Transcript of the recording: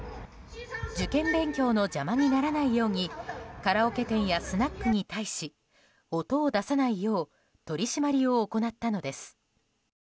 受験勉強の邪魔にならないようにカラオケ店やスナックに対し音を出さないよう取り締まりを行ったのです。